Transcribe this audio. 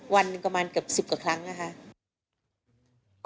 วันประมาณกับ๑๐กว่าครั้งนะคะ